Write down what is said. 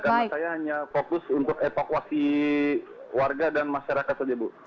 karena saya hanya fokus untuk evakuasi warga dan masyarakat saja bu